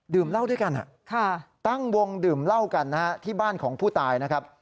เหล้าด้วยกันตั้งวงดื่มเหล้ากันนะฮะที่บ้านของผู้ตายนะครับ